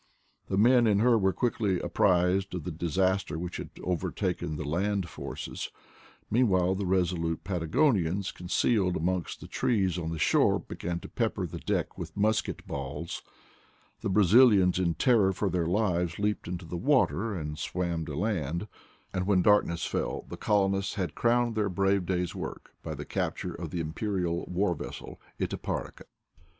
The men in her were quickly apprised of the dis aster which had overtaken the land force; mean while the resolute Patagonians, concealed amongst the trees on the shore, began to pepper the deck with musket balls; the Brazilians, in terror for their lives, leaped into the water and swam to land; and when darkness fell, the colonists had crowned their brave day's work by the capture of the Imperial war vessel Itaparica.